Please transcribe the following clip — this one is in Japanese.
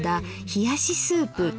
「冷しスープ」。